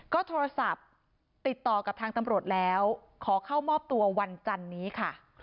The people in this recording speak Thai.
ก็โทรศัพท์ติดต่อกับทางตำรวจแล้วขอเข้ามอบตัววันจันนี้ค่ะ